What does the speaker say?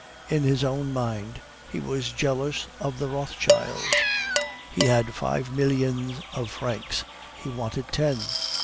In his own mind, he was jealous of the Rothschilds. He had five millions of francs, he wanted ten.